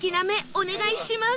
お願いします！